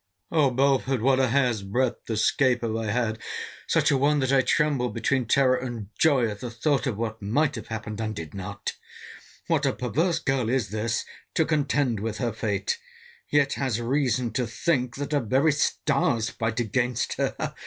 O Belford! what a hair's breadth escape have I had!—Such a one, that I tremble between terror and joy, at the thought of what might have happened, and did not. What a perverse girl is this, to contend with her fate; yet has reason to think, that her very stars fight against her!